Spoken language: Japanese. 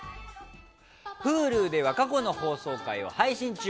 Ｈｕｌｕでは過去の放送回を配信中。